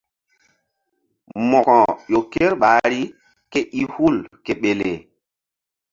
Mo̧ko ƴo ker ɓahri ke i hu ke ɓele.